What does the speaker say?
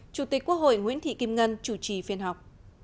chủ tịch quốc hội nguyễn thị kim ngân chủ trì phiên họp